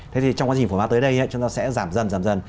thế thì trong quá trình phổ bán tới đây chúng ta sẽ giảm dần